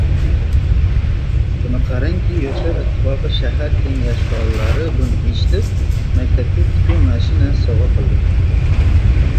Buni qarangki, Yoshlar ittifoqi shahar kengashi faollari buni eshitib, maktabga tikuv mashinasi sovgʻa qildi.